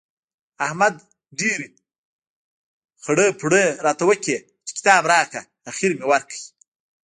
احمد ډېرې خړۍ پړۍ راته وکړې چې کتاب راکړه؛ اخېر مې ورکړ.